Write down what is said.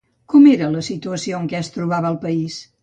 Com era la situació en què es trobava el país?